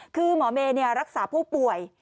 คือหมอเมย์รักษาผู้ป่วย